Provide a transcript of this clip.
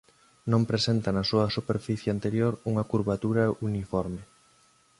Non presenta na súa superficie anterior unha curvatura uniforme.